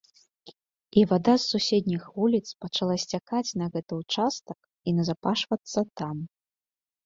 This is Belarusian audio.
І вада з суседніх вуліц пачала сцякаць на гэты ўчастак і назапашвацца там.